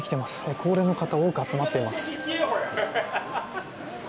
高齢の方、多く集まっています。